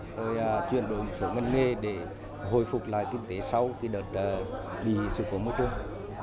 rồi chuyển đổi một số ngân nghề để hồi phục lại kinh tế sau đợt bị sự cố môi trường